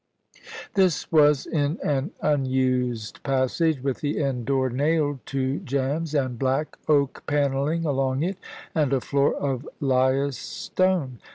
This was in an unused passage, with the end door nailed to jambs, and black oak panelling along it, and a floor of lias stone.